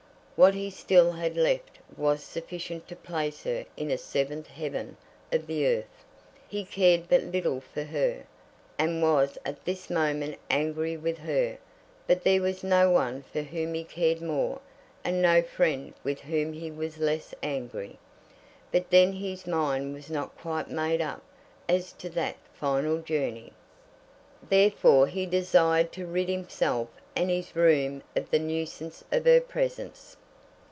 What he still had left was sufficient to place her in a seventh heaven of the earth. He cared but little for her, and was at this moment angry with her; but there was no one for whom he cared more, and no friend with whom he was less angry. But then his mind was not quite made up as to that final journey. Therefore he desired to rid himself and his room of the nuisance of her presence.